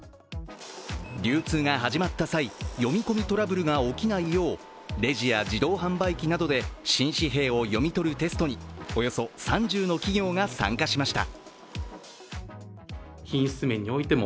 流通が始まった際、読み込みトラブルが起きないようレジや自動販売機などで新紙幣を読み取るテストにおよそ３０の企業が参加しました。